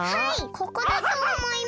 ここだとおもいます。